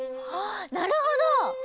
あなるほど！